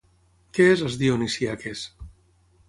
Què és Les Dionisíaques?